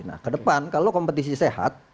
nah ke depan kalau kompetisi sehat